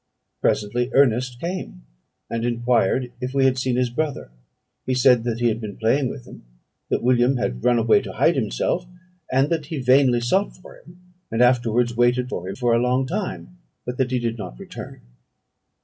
Presently Ernest came, and enquired if we had seen his brother: he said, that he had been playing with him, that William had run away to hide himself, and that he vainly sought for him, and afterwards waited for him a long time, but that he did not return.